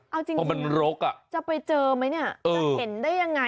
เอาจริงนี่จะไปเจอไหมเนี่ยจะเห็นได้ยังไง